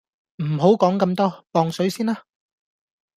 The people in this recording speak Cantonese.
唔好講咁多，磅水先啦！